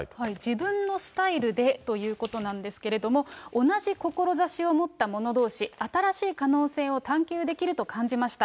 自分のスタイルでということなんですけれども、同じ志を持った者どうし、新しい可能性を探求できると感じました。